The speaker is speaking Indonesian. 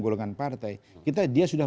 golongan partai dia sudah